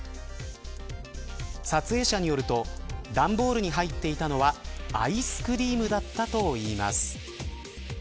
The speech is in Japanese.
撮影者によると段ボールに入っていたのはアイスクリームだったといいます。